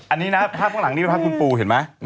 อันนี้นะภาพข้างหลังนี้เป็นภาพคุณปูเห็นไหม